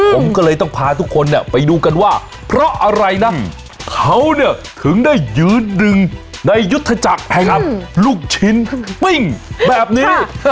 ผมก็เลยต้องพาทุกคนเนี่ยไปดูกันว่าเพราะอะไรนะเขาเนี่ยถึงได้ยืนดึงในยุทธจักรพยายามลูกชิ้นปิ้งแบบนี้